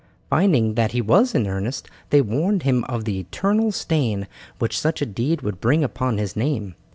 Finding that he was in earnest they warned him of the eternal stain which such a deed would bring upon his name.